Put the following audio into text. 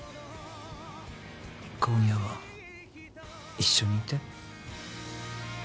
今夜は一緒にいて。